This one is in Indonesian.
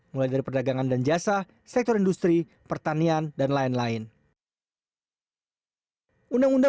mulai dari perdagangan dan jasa sektor industri pertanian dan lain lain